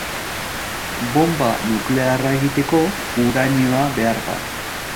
Bonba nuklearra egiteko uranioa behar da.